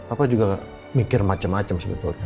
aku juga mikir macem macem sebetulnya